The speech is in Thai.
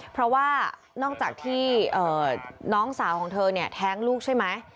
เพราะว่านอกจากที่น้องสาวของเธอเนี่ยแท้งลูกใช่ไหม